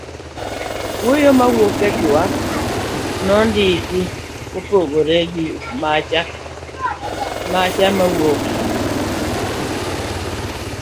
wuoyo mawuok e tuke mondiki, mopogore gi macha mawuok